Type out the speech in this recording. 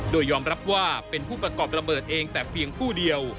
โดยยอมรับว่าเป็นผู้ประกอบระเบิดเองแต่เพียงผู้เดียว